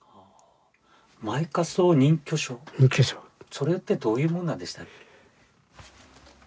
それってどういうもんなんでしたっけ？